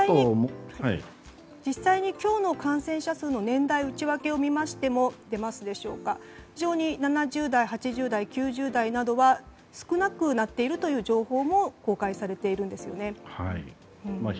実際に今日の感染者数の年代の内訳を見ましても非常に７０代、８０代、９０代は少なくなっているという情報も公開されているんですよね。